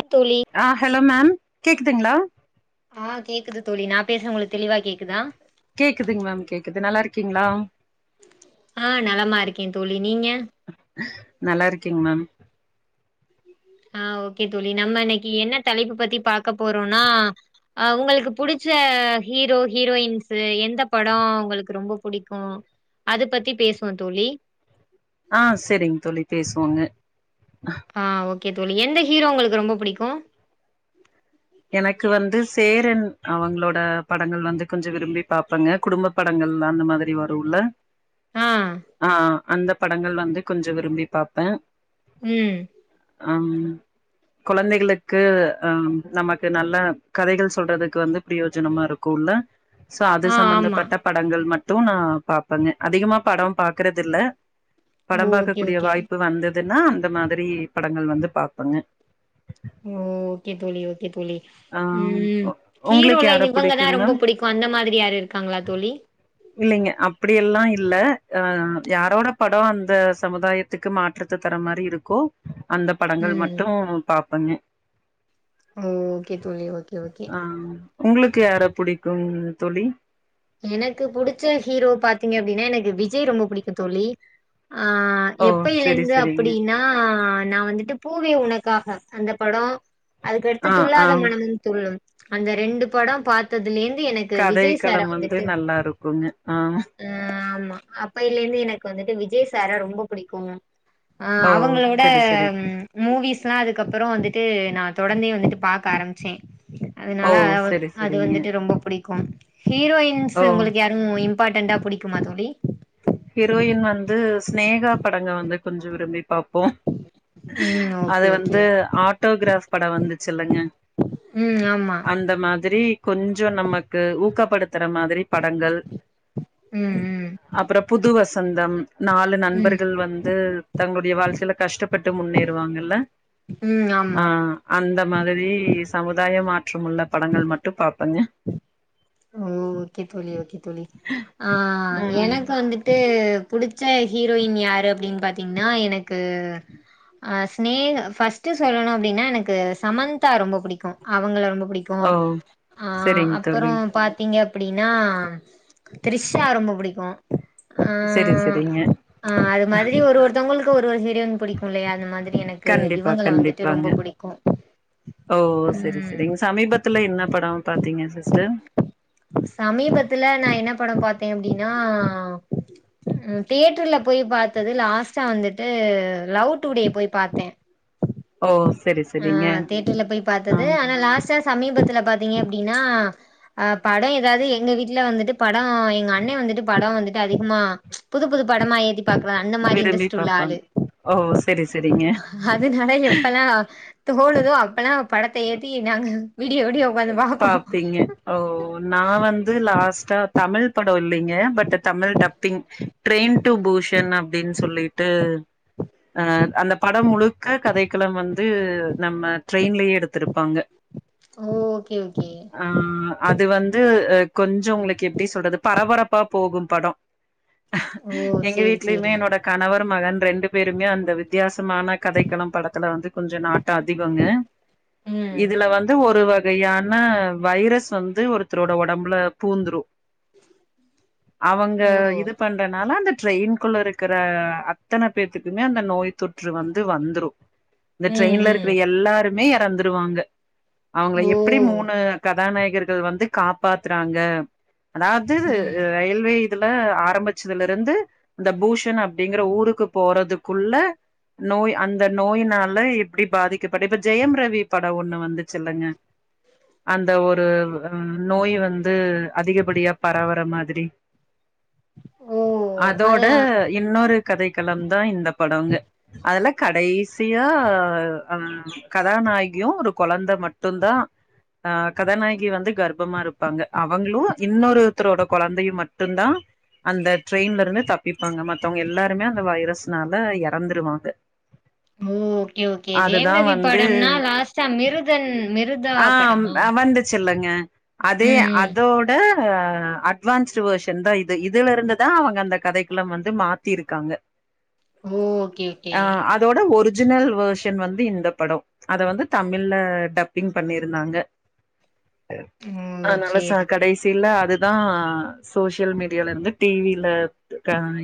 அ தோழி ஆ hello ma'am கேக்குதுங்களா ஆ, கேக்குது தோழி நா பேசுற உங்களுக்கு தெளிவா கேக்குதா கேக்குதுங்க மேம் கேக்குது நல்லா இருக்கீங்களா ஆ நலமா இருக்கே தோழி நீங்க நல்லா இருக்கேங் மேம் ஆ, ஓகே தோழி நம்ம இன்னைக்கு என்ன தலைப்பு பத்தி பாக் க்க போறோனா அ, உங்களுக்கு புடிச்ச ஹீரோ ஹீரோயின்ஸ்ஸு எந்த படம் உங்களுக்கு ரொம்ப புடிக்கும் அது பத்தி பேசுவோ தோழி ஆ செரிங் தோழி பேசுவோங்க ஆ ஓக் கே தோழி எந்த ஹீரோ உங்களுக்கு ரொம்ப பிடிக்கு எனக்கு வந்து சேரன் அவங்களோட படங்கள் வந்து கொஞ்ச விரும்பி பாப்பங்க குடும்ப படங்கள் அந்த மாதிரி வருல ஆ ஆ அந்த படங்கள் வந்து கொஞ்ச விரும்பி பாப்பே உம் அ குழந்தைகளுக்கு ஆம் நமக்கு நல்ல கதைகள் சொல்றதுக்கு வந்து பிரயோஜனமா இருக்குல்ல சோ அது ஆ ஆமா சம்பந்தப்பட்ட படங்கள் மட் ட்டுனா நா பாப்பேங்க அதிகமா படோ பாக்குறதில்ல ஓ படம் பார்க்கக்க ஓகே கூடிய ஓகே வாய்ப்பு வந்தத் அதுன்னா அந்த மாதிரி படங்கள் வந்து பாப்பங்க ஓ கே தோழி ஓகே தோழி ஆ உம் உங்களுக்கு ஹீரோல யார இவங்கதா புடிக்குங்க ரொம்ப பிடிக்கும் அந்த மாதிரி யாரு இருக்காங்களா தோழி இல்லைங்க அப்படியெல்லா இல்ல அ யாரோட படோ அந்த சமுதாயத்துக்கு மாற்றத்த தர மாரி இருக்கோ அந்த படங்கள் ம் மட்டு பாப் பண்ணு ஓ ஓகே தோழி ஓகே ஓகே உங்களுக்கு யார புடிக்குங் தோழி எனக்கு புடிச்ச ஹீரோ பாத்தீங்க அப்டின்னா எனக்கு விஜய் ரொம்ப பிடிக்கு தோழி ஆ, ஓ எப்ப செரி எழுந்து செரிங்க அப்டின்னா நா வந்துட்டுப் பூவே உனக்காக அந்த படோ அதுக்கடுத்து ஆ ஆ துல்லாத மனமும் துல்லும் அந்த ரெண்டு படோ பாத்ததுலேந் [unintelligible] எனக்கு விஜய் சார கதைக்களம் வந்துட்டு [unintelligible] நல்லா இருக்குங்க ஆ ஆ ஆமா [unintelligible] எனக்கு வந்துட்டு விஜய் சார ரொம்ப புடிக்குங்க அ ஓ அவுங்களோட செரி செரி மூவிஸ்லா அதுக்கப்புறோ வந்துட் டு நான் தொடர்ந்தே வந்துட்டு பாக்க ஆரம்பிச்சே ஓ அதனால அத் செரி அது செரிங்க வந்துட்டு ரொம்ப புடிக்கு ஹீரோயின்ஸ் ஓ உங்களுக்கு யாருங்க [unintelligible] இம்பார்ட்டன்டா புடிக்குமா தோழி ஹீரோயின் வந் து ஸ்நேகா படங்க வந்துட் கொஞ்சோ விரமே பாப்போ ம் அது ஓகே ஓகே வந்து ஆட்டோகிராப் படோ வந்துச்சுல்லங்க ம் ஆமா அந்த மாதிரி கொஞ்சோ நமக்கு ஊக்கப்படுத் த்ற மாதிரி படங்கள் ம் ம் அப்புறோ புதுவசந்தம் நாலு ம் நண்பர்கள் வந்து தங்களுடைய வாழ்க்கையில கஷ்டப்பட்டு முன்னேறுவாங்கல்ல ம் அ ஆமா அந்தப் மாதிரி சமுதாய மாற்றம் உள்ள படங்கள் மட்டும் பாப்பேங்க ஓ ஓகே தோழி ஓகே தோழி அ ம் எனக்கு வந்துட்டு புடிச்ச ஹீரோயின் யாரு அப்டின்னு பாத்தீங்ன்னா எனக்கு ஸ்னேக ஃபஸ்ட் சொல்லணு அப்டின்னா எனக்கு சமந்தா ரொம்போ புடிக்கு அவுங்கள ரொம்போ புடிக்கு ஓ ஆ செரிங்க அப்பறோ தோழி பாத்தீங்க அப்டின்னா த்ரிஷா ரொம்ப புடிக்கு அ செரி செரிங்க அ அது மாரி ஒரு ஒருத்தவங்களு க்கு ஒரு கேக் யின் புடிக்கு இல்லையா அந்த மாரி எனக்கு கண்டிப்பா இவங்கள வந்துட்டு கண்டிப்பாங்க ரொம்பே புடிக்கு ஓ செரி ம் செரிங்க சமீபத்துல என்ன படோ பாத்தீங்க சிஸ்டர் சமீபத்துல நா என்ன படோ பா த்தே அப்டின்னா ம் தியேட்டர்ல போய் பாத்தது லாஸ்ட்டா வந்துட்டு லவ் டுடே போய் பாத்தே ஓ செரி அ செரிங்க தேட்டர்ல போய் பாத்தது ஆ ஆனா லாஸ்டா சமீபத் த்துல பாத்தீங்க அப்டின்னா அ படோஏதாவது எங்க வீட்ல வந்துட்டு படோ எங்க அண்ணே வந்துட்டு படோ வந்துட்டு அதிகமா புது புது படமா ஏத்தி பாக்ற அந்த மாரி விரும்பி இன்ட்ரெஸ்ட் உள்ள பாப்பாங்க ஆளு ஓ செரி செரிங்க அதனால எப்பெல்லா தோனுதோ அப்பெல்லா படத்தை ஏத்தி நாங்க விடிய விடிய உக்காந்து பாப்போ பாப்பீங்க ஓ நா வந்து லாஸ்டா தமிழ் படம் இல்லைங்க but Tamil dubbing train to Busan அப்டின் சொல்லிட்டு அந்த படம் முழுக்க கதைக்களம் வந்து நம்ம ட்ரெயின் லயே எடுத்திருப்பாங்க ஓ ஓகே ஓகே ஆஹ் அது வந்து வந்து கொஞ்சம் உங்களுக்கு எப்டி சொல்றது பரபரப்பா போகும் படம் ஓ எங்க சேரி வீட்லயுமே சேரி என்னோட கணவரும் மகன் ரெண்டு பேருமே அந்த வித்தியாசமான கதைக்களம் படத்துல வந்து கொஞ்சம் நா ட்டம் அதிகங்க ம் இதுல வந்து ஒரு வ கையான வைரஸ் வந்து ஒருத்தரோட உடம்புல பூந்துரும் அவங்க ஓ இது பண்றதுனால அந்த ட்ரெயின்குள்ள இருக்கிற அத்தனை பேத்துக்குமே அந்த நோய் தொற்று வந்து வந்துரும் இந்த ம் ட்ரெயின்ல ம் இருக்கிற எல்லாருமே இறந்துருவாங்க அவங்கள ஓ எப் எப்டி மூணு க கதாநாயகர்கள் வந்து காப்பாத்துறாங்க. அது ம் ரயில்வே இதுல ஆரம்பிச்சதுல இருந்து இந்த பூஷன் அப்படிங்கிற ஊருக்கு போறதுக்குள்ள நோய் அந்த நோயினால எப்படி பாதிக்கப்படு இப்ப ஜெயம் ரவி படம் ஒண்ணு வந்துச்சுல்லங்க. அந்த ஒரு ஹ நோய் வந்து அதிகப்படியா பரவுற மாதிரி ஓ அதோட அதா இன்னொரு, கதை கலம் தான் இந்த படங்க அதெல்லாம் கடைசியா கதாநாயகியும் ஒரு குழந்தை மட்டும் தான். ஆஹ் கதாநாயகி வந்து கர்ப்பமா இருப்பாங்க அவங்களும் இன்னொருத்தரோட குழந்தையும் மட்டுந்தான் அந்த ட்ரெயின்ல இருந்து தப்பிப்பாங்க மத்தவங்க எல்லாருமே அந்த வைரஸ்னால இறந்துருவாங்க. ஓகே ஓகே ஜெயம்ரவி வந்து படம்னா லாஸ்டாமிருதன் மிரு ஆஹ் வந்துச்சு இல்லங்க அதே ம் ம் அதோட ஆஹ் அட்வான்ஸ் வெர்ஷன் தான் இது இதுல இருந்துதான் அவங்க அந்த கதைக்குள்ள வந்து மாத்திருக்காங்க ஓ ஓகே ஓகே ஜினல் வெர்ஷன் வந்து இந்த படம் அதை வந்து தமிழ்ல டப் ங் பண்ணியிருந்தாங்க ஓ ஆஹ் நல்லசா சேரி சேரி கடைசி இல்ல அது தான் சோசியல் மீடியால இருந்து டிவில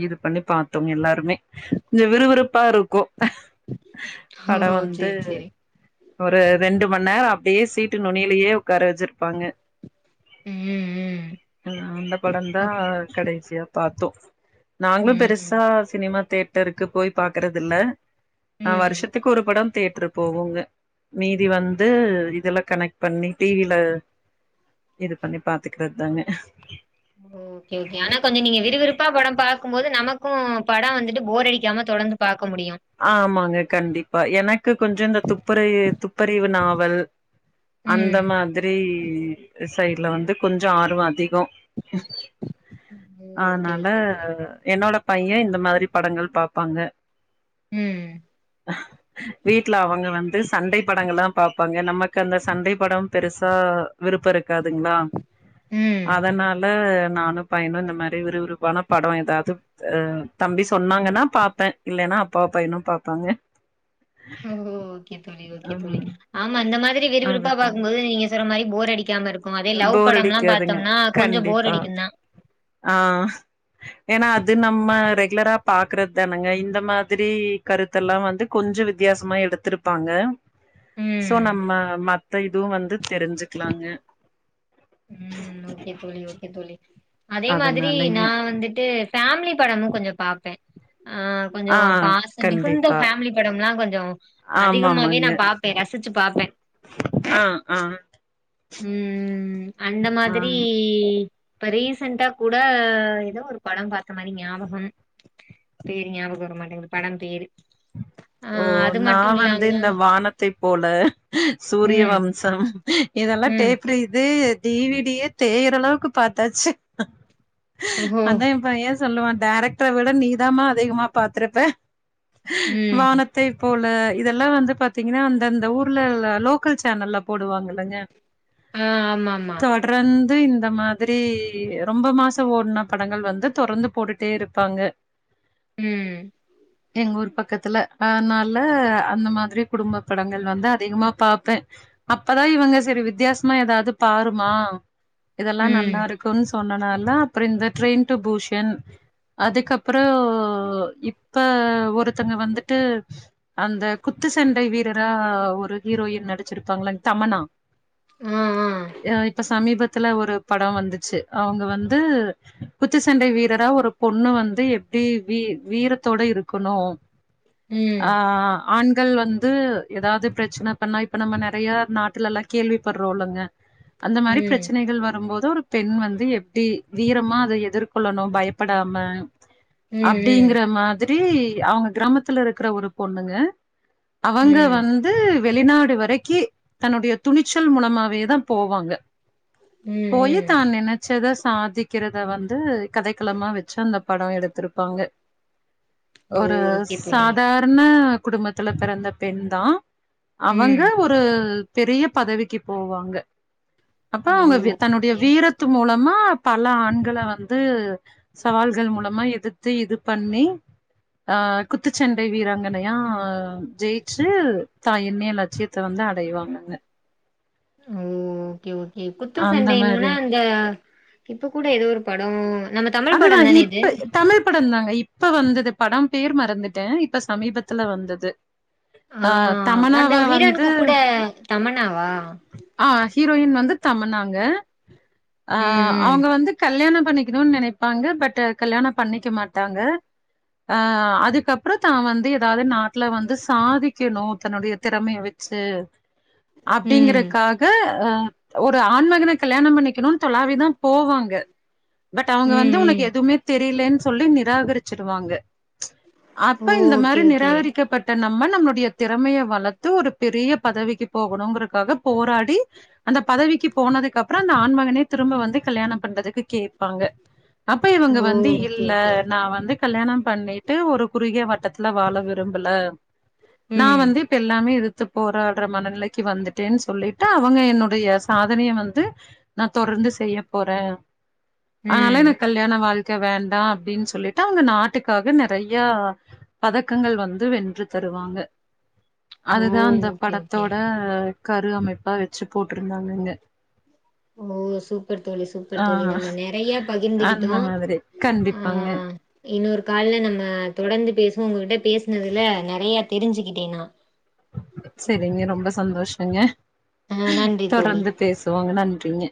இது பண்ணி பாத்தோம் எல்லாருமே கொஞ்ச விறுவிறுப்பா இருக்கும் படம் ஓ வந்து சேரி சேரி ஒரு ரெண்டு அப்படியே சீட்டு நுணியிலயே உக்கார வச்சிருப்பாங்க ம் ம் உ அந்த படோந் தா அப் கடைசியா பாத்தோ நாங்களு ம் பெருசா சினிமா தேட்டருக்கு போய் பாக்குறதில்ல ம் வருஷத்துக்கு ஒரு படம் தேற்று போவோங்க மீதி வந்து இது இதெல்லா கனெக்ட் பண்ணி டிவில இது பண்ணி பாத்துக்கிறத் தாங்க ஓகே ஓகே ஆனா கொஞ்சோ நீங்க விறுவிறுப்பா படம் பாக்கும்போது நமக்கு அ படோ வந்துட்டு போர் அடிக்காம தொடர்ந்து பா ஆமாங்க கண்டிப்பா எனக்கு கொஞ்சோ இந்த துப்பறியி துப்பறிவு நா வல் அந்த ம் மாதிரி [unintelligible] சைட்ல வந்து கொஞ்சோ ஆர்வோ அதிகோ ஓகே அத்னால ஓகே தோழி என்னோட [unintelligible] ஏ இந்த மாதிரி படங்கள் பாப்பாங்க ம் வீட்ல அவங்க வந்து சண்டை படங்கள்லா பாப்பாங்க நமக்கு அந்த சண்டை படம் பெருசா விருப்போ இருக் காதுங்களா ம் அதனால நானு பையனு இந்த மாதிரி விறுவிறுப்பான படோ எதாவ்து அ தம்பி சொன்னாங்கன்னா பாப்பே இல்லேன்னா அப் பாப்பா என்னும் பாப்பாங்க ஓ ஓகே தோழி ஓகே தோழி ம் ஆமா அந்த மாதிரி [unintelligible] விறுவிறுப்பான பாக்கும் போது நீங்க சிறமாயி போர் [unintelligible] இருக்கு அதே லவ் படம்லா போர்டிக்காதுங்க பாத்தோம்னா கொஞ்சோ போர் கண்டிப்பா அடிக்குந்தா அ ஏன்னா அது நம்ம [unintelligible] ரெகுலரா பாக்குற தானங்க இந்த மாதிரி கருத்தெல்லா வந்து கொஞ்சோ வித்தியாசமா எடுத்திருப்பாங்க சோ ம் நம்ம மத் த்த இதுவு வந்து தெரிஞ்சுக்கலாங்க ம் ஓகே தோழி ஓகே தோழி அதே மாதிரி அதனாலங்க நா வந்துட்டு ஃபேமிலி படமு கொஞ்சோ பாப்பே ஆ கொஞ்சோ ஆ பாசம் மிகுந்த கண்டிப்பா ஃபேமிலி படம் லா கொஞ்சோ அதிகமாவே ஆமாமாங்க நா பாப்பே ரசிச்சு பாப்பே ஆ ஆ ம் அந்த ஆ மாதிரி இப்ப ரீசெண்டா கூட எதோ ஒரு படோ பாத்த மாரி ஞாபகம் பேரு ஞாபகோ‌ வர மாட்டேங்குது படம் பேரு ஆ ஓ அது நா மட்டு வந்து இந்த இல்லாம வானத்தை போல சூரிய ம் வம்சம் இதெல்லாம் ம் டேப்ரி இது டி வி டி யே தேயுற அளவுக்கு பாத்தாச்சு ஓஹோ அதான் எபையன் சொல்லுவான் டேரக்டர விட நீதாமா அதிகமா பாத்துருப்ப [inaudible] ம் வானத்தை போல் ல இதெல்லாம் வந்து பாத்தீங்கன்னா அந்தந்த ஊர்ல லோக்கல் சேனல்ல போடுவாங்க இல்லங்க ஆ ஆமாமா இது இந்த மாதிரி ரொம்ப மாசம் ஓடுன படங்கள் வந்து தொடர்ந்து போட்டுட்டே இருப்பாங்க ம் எங்க ஊர் பக்கத்துல அதனால அந்த மாதிரி குடும்ப படங்கள் வந்து அதிகமா பாார்ப்பேன் அப்பதான் இவங்க சேரி வித்தியாசமா ஏதாவது பாருமா இதெல்லா நல்லா ம் இருக்குன்னு சொ சொன்னனால அப்புறம் இந்த ட்ரெயின் டு பூஷன் அதுக்கப்புறம் இப்ப ஒருத்தங்க வந் ட்டு அந்த குத்துசண்டை வீரரா ஒரு ஹீரோயின் நடிச்சிருப்பாங்கள தமன்னா ஆ ஆ யா இப்ப சமீபத் துல ஒரு படம் வந்துச்சு அவங்க வந்து குத்துச்சண்டை வீரரா ஒரு பொண்ணு வந்து எப்டி வீ வீரத்தோட இருக்கணு ம் ஆ ஆ ஆ ஆண்கள் வந்து ஏதாவது பிரச்சன பண்ணா இப்ப நம்ம நிறைய நாட்டுல எல்லாம கேள்விப்படுறோலங்க அந்த மாரி ம் பிரச்சனைகள் வரும்போது அதோ ஒரு பெண் வந்து எப்டி வீரமா அத எதிர்கொள்ளணு பயப்படாம ம் அப்டிங்கற மாதிரி டி அவங்க கிராமத் பக்கத்துலருக்கிற ஒரு பொண்ணுங்க ம் அவங்க ம் வந்து வெளிநாடு வரைக்கி தன்னுடைய துணிச்சல் மூலமாவே தான் போவாங்க ம் போய் ம் தான் நினைச்சத சாதிக்கிறத வந்து கதைக்களமா வச்சு அந் படோ எடுத்திருப்பாங்க ஓ ஒரு ஓகே [unintelligible] தோழி சாதாரண குடும்பத்துல பிறந்த பெண் தான் அவங்க ம் ஒரு பெரிய பதவிக்கிப் போவாங்க அப்போ ஓ அவ்ங்க வி ஓகே தன்னுடைய ஓகே வீரத்து மூல மா பல ஆண்கள வந்து சவால்கள் மூலமா எதுத்து இது பண்ணி குத்துச்சண்டை வீராங்கனையா ஜெயிச்சு தா எண்ணிய லட்சியத்த வந்து அடைவாங்கங்க ஓ கே ஓகே குத்து அந்த சண்டைனோனா மாரி அந்த இப்பக் கூட ஏதோ ஒரு படோ நம்ம தமிழ் அதுதா படம் தானே இது இப்ப தமிழ் படந்தாங்க இப்ப வந்துது படம் பேர் மறந்துட்ட இப்ப சமீபத்துல வந்துது ஆ தமனாவ அந்த வந்த ஹீரோனுக்கு கூட தமன்னாவா ஆ ஹீரோயின் வந்து தமன்னாங்க அ ம் ம் அவுங்க வந்து கல்யாணப் பண்ணிக்கிணுன் நெனைப்பாங்க பட் கல்யாண பண்ணிக்க மாட்டாங்க அ அதுக்கப்றொ தா வந்து ஏதாது நாட்ல வந்து சாதிக்கெணு தன்னுடிய திறமய வெச்சு ம் டிங்கிறக்காக அ ஒரு ஆன்மகன கல்யாண பண்ணிக்கிணுன் தொலாவி தா போவாங்க பட் அவுங்க வந்து ம் உனக்கு ம் எதுவ்மே தெர் டலென் சொல்லி நிராகரிச்சிருவாங்க அப்ப இந்த ஓகே மாரி ஓகே நிராகரிக்கப்பட்டனப் ம்ம நம்மளுடிய திறமைய வளத்து ஒரு பெரிய பதவிக்கி போகணுங்ற காக போராடி அந்த பதவிக்ககி போனதுக் அப்ற அந்த ஆன்மகனே திரும்ப வந்து கல்யாண பண்றதுக்கு கேப்பாங்க அப்ப ஓ இவுங்க வந்து ஓகே இல்ல ஓகே நா வந்து கல்யாண பண்ணிட்டு ஒரு குறுகிய வட்டத்துல வாழ விரும்புல நா ம் வந்து இப்ப எல்லாமே இது து போராட்ற மனநிலைக்கு வந்து டேன் சொல்லிட்டு அவங்க என்னுடைய சாதனய வந்து நா தொரந்து செய்ய போற அனால ம் எனக் கல்யாண வாழ் க்க வேண்டா அப்டின் சொல்லிட்டு அவ்ங்க நாட்டுக்காக நெறையா பதக்கங்கள் வந்து வென்று தருவாங்க ஓ அததா அந்த ஓகே ஓகே படத்தோட கரு அமைப்பா வெச்சி போட்ருந்தாங்கங்க ஓ சூப்பர் தோழி சூப்பர் தோழி நம்ம நெறைய பகிர்ந்துகிட்டோ அந்த மாதிரி ஆ கண்டிப்பாங்க இன்னொரு கால்ல நம்ம தொடர்ந்து பேசுவோ உங்ககிக்ட்ட பேஸ்னதுல நறைய தெரிஞ்சுக்கிட்டே நா செரிங்க ரொம்ப சந்தோஷங்க ஆ நன்றி தோழி தொடர்ந்து பேசுவோங்க நன் றிங்க